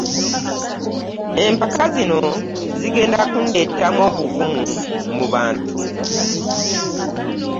Empaka zino zigenda kundetamu obuvumu mu bantu.